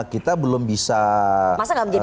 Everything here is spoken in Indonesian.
kita belum bisa masa gak menjadi